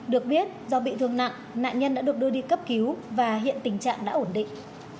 được biết do bị thương nặng nạn nhân đã được đưa đi cấp cứu và hiện tình trạng đã ổn định